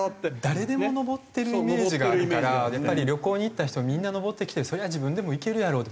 誰でも登ってるイメージがあるからやっぱり旅行に行った人みんな登ってきてそりゃ自分でも行けるやろうって。